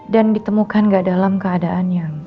dan ditemukan gak dalam keadaan yang